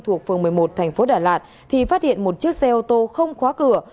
thuộc phường một mươi một thành phố đà lạt thì phát hiện một chiếc xe ô tô không khóa cửa